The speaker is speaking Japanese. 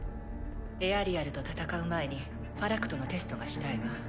エアリアルと戦う前にファラクトのテストがしたいわ。